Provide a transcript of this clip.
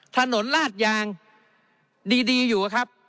ลาดยางดีอยู่ครับ